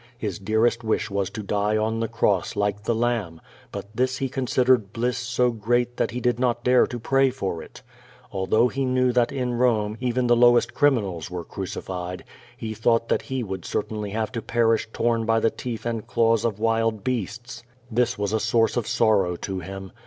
His dearest wish was to die on the cross like the Lamb, but this he considered bliss so great that he did not dare to pray for it. Although he knew that in Rome even the lowest criminals were crucified, he thought that he would cer tainly have to perish torn by the teethand claws of wild beasts. This was a source of sorrow to him.